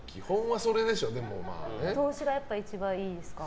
投資がやっぱり一番いいですか。